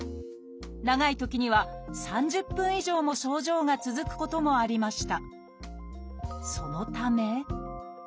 長いときには３０分以上も症状が続くこともありました。